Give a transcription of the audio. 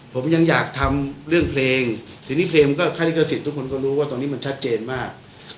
ผมยังอยากทำเรื่องเพลงทีนี้เพลงก็ค่าลิขสิทธิ์ทุกคนก็รู้ว่าตอนนี้มันชัดเจนมาก